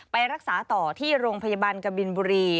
ไปรักษาต่อที่โรงพยาบาลกบินบุรี